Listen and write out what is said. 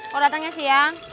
kau datangnya siang